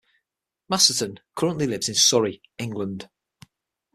Masterton currently lives in Surrey, England.